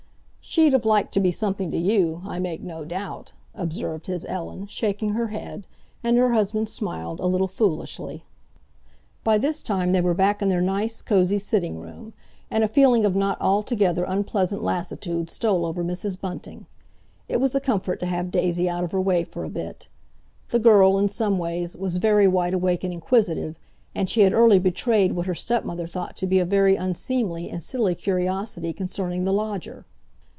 "She'd have liked to be something to you, I make no doubt," observed his Ellen, shaking her head, and her husband smiled, a little foolishly. By this time they were back in their nice, cosy sitting room, and a feeling of not altogether unpleasant lassitude stole over Mrs. Bunting. It was a comfort to have Daisy out of her way for a bit. The girl, in some ways, was very wide awake and inquisitive, and she had early betrayed what her stepmother thought to be a very unseemly and silly curiosity concerning the lodger.